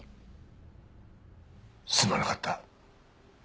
すまなかった土門。